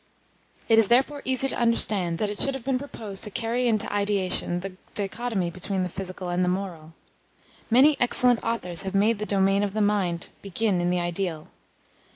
It is, therefore, easy to understand, that it should have been proposed to carry into ideation the dichotomy between the physical and the moral. Many excellent authors have made the domain of the mind begin in the ideal.